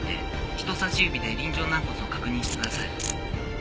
人さし指で輪状軟骨を確認してください。